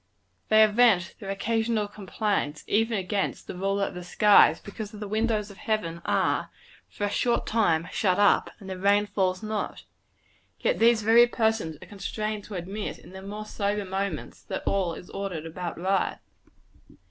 They vent their occasional complaints, even against the Ruler of the skies, because the windows of heaven are, for a time, shut up, and the rain falls not; and yet these very persons are constrained to admit, in their more sober moments, that all is ordered about right.